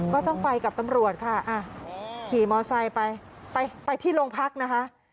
ก็ต้องไปกับตำรวจค่ะขี่มอไซค์ไปไปที่โรงพักนะคะ